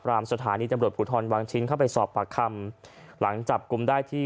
สถานีตำรวจภูทรวังชิ้นเข้าไปสอบปากคำหลังจับกลุ่มได้ที่